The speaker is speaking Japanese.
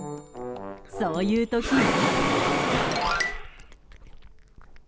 そういう時は。